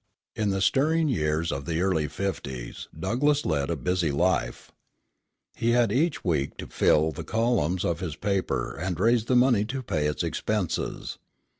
In the stirring years of the early fifties Douglass led a busy life. He had each week to fill the columns of his paper and raise the money to pay its expenses.